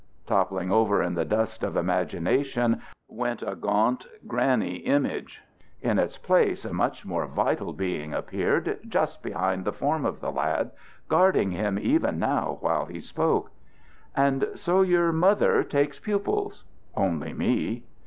Toppling over in the dust of imagination went a gaunt granny image; in its place a much more vital being appeared just behind the form of the lad, guarding him even now while he spoke. "And so your mother takes pupils?" "Only me."